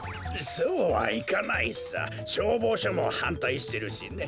そうはいかないさしょうぼうしょもはんたいしてるしね。